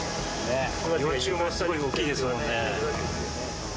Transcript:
幼虫もすごい大きいですよね。